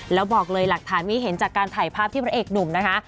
แล้วบอกเลยหลักฐานนี้เห็นจากการถ่ายภาพที่พระเอกหนุ่มนะคะ